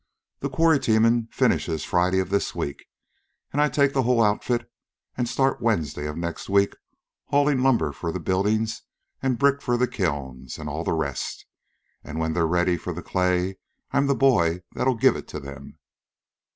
The quarry teamin' finishes Friday of this week. An' I take the whole outfit an' start Wednesday of next week haulin' lumber for the buildin's, an' bricks for the kilns, an' all the rest. An' when they're ready for the clay I 'm the boy that'll give it to them.